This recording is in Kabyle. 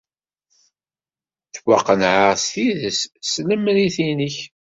Ttwaqennɛeɣ s tidet s tlemrit-nnek.